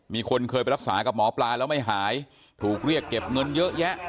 มีคนเคยไปรักษากับหมอปลาแล้วไม่หายถูกเรียกเก็บเงินเยอะแยะ